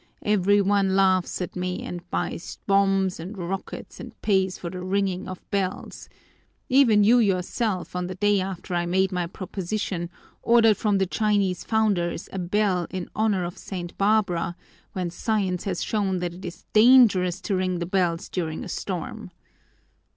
Every one laughs at me, and buys bombs and rockets and pays for the ringing of bells. Even you yourself, on the day after I made my proposition, ordered from the Chinese founders a bell in honor of St. Barbara, when science has shown that it is dangerous to ring the bells during a storm.